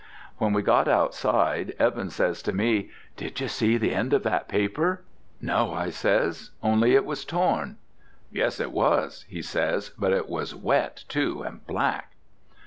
When we got outside Evans says to me, 'Did you see the end of that paper.' 'No,' I says, 'only it was torn.' 'Yes, it was,' he says, 'but it was wet too, and black!'